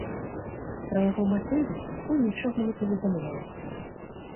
Пра яго матывы пакуль нічога не паведамляецца.